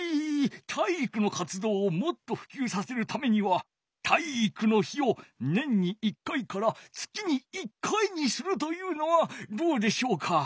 体育のかつどうをもっとふきゅうさせるためには体育の日を年に１回から月に１回にするというのはどうでしょうか？